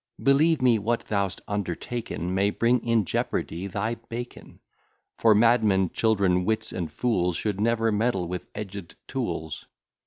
Believe me, what thou'st undertaken May bring in jeopardy thy bacon; For madmen, children, wits, and fools, Should never meddle with edged tools.